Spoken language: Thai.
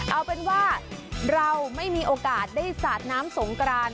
เอาเป็นว่าเราไม่มีโอกาสได้สาดน้ำสงกราน